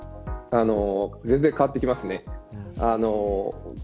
全然変わってきます。